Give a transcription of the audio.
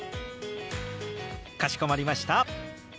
かしこまりました。